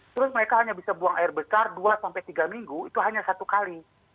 terus mereka hanya bisa buang air besar dua sampai tiga minggu itu hanya satu kali